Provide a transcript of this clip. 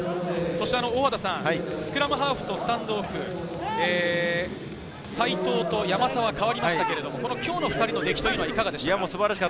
そしてスクラムハーフとスタンドオフ、齋藤と山沢が代わりましたけれど、今日の２人の出来というのはいかがでしたか？